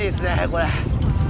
これ。